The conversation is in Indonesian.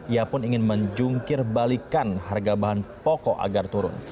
ia pun ingin menjungkir balikan harga bahan pokok agar turun